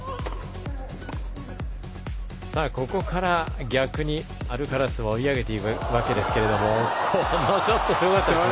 ここから逆にアルカラスが追い上げていくわけですがこのショットはすごかったですね。